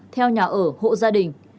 theo nhà ở hộ gia đình